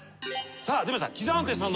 さあ出ました。